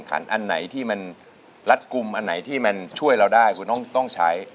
อันไหนที่มันรัดกลุ่มอันไหนที่มันช่วยเราได้คุณต้องใช้